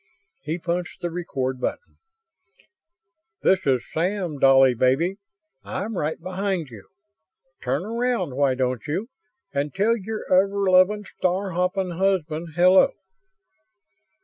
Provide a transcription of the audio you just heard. He punched the RECORD button. "This is Sam, Dolly baby. I'm right behind you. Turn around, why don't you, and tell your ever lovin' star hoppin' husband hello?"